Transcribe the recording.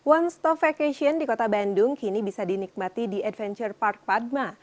one stop vacation di kota bandung kini bisa dinikmati di adventure park padma